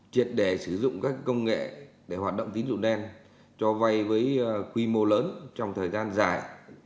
triệt để sử dụng các công nghệ để hoạt động tín dụng đen cho vay với quy mô lớn trong thời gian dài